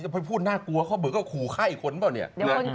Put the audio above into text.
ไปพูดน่ากลัวเขาเหมือนกับขู่ฆ่าอีกคนเปล่าเนี่ย